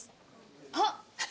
あっ！